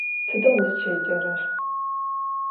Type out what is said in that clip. Tıda vuzşêcerer?